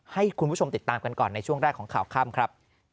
ให้คุณผู้ชมติดตามกันก่อนในช่วงแรกของข่าวค่ำครับ